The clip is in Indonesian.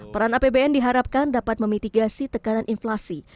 peran apbn diharapkan dapat memitigasi tekanan inflasi